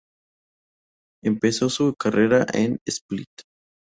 Empezó su carrera en Split.